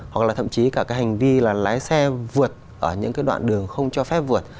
hoặc là thậm chí cả cái hành vi là lái xe vượt ở những cái đoạn đường không cho phép vượt